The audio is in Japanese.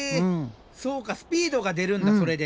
そうかスピードが出るんだそれで。